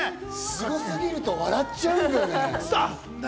すごすぎると笑っちゃうんだね。